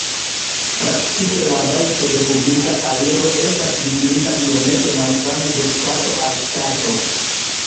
Praktike la rajto de publika aliro estas difinita iomete malsame de ŝtato al ŝtato.